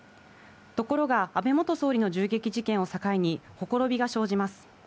ところが、安倍元総理の銃撃事件を境に、ほころびが生じます。